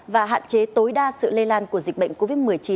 và hạn chế tối đa sự lây lan của dịch bệnh covid một mươi chín